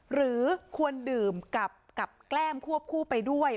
หรือควรดื่มกับแกล้มควบคู่ไปด้วย